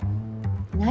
何？